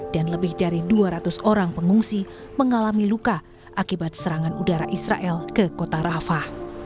dan lebih dari dua ratus orang pengungsi mengalami luka akibat serangan udara israel ke kota rafah